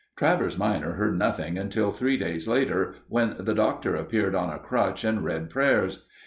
Travers minor heard nothing until three days later, when the Doctor appeared on a crutch and read prayers.